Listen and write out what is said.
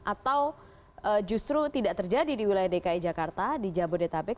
atau justru tidak terjadi di wilayah dki jakarta di jabodetabek